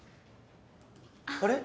あれ？